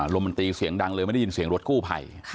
ลมมันตีเสียงดังเลยไม่ได้ยินเสียงรถกู้ภัย